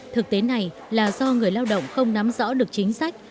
thực tế này là do người lao động không nắm rõ được chính sách